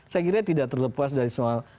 saya kira tidak terlepas dari soal